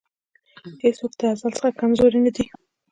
هېڅوک د ازل څخه کمزوری نه دی.